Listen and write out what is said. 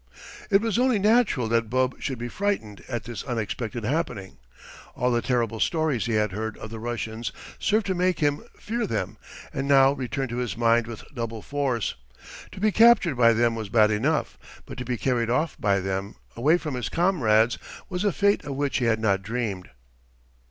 It was only natural that Bub should be frightened at this unexpected happening. All the terrible stories he had heard of the Russians served to make him fear them, and now returned to his mind with double force. To be captured by them was bad enough, but to be carried off by them, away from his comrades, was a fate of which he had not dreamed.